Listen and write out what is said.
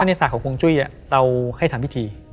ในศาสตร์ของฮวงจุ้ยเราให้ทำพิธี